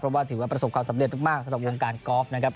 เพราะว่าถือว่าประสบความสำเร็จมากสำหรับวงการกอล์ฟนะครับ